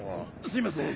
すいません